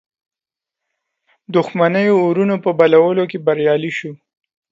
دښمنیو اورونو په بلولو کې بریالی سو.